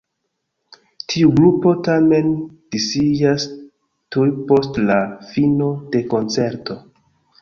Tiu grupo tamen disiĝas tuj post la fino de koncerto.